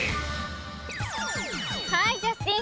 ハイジャスティン！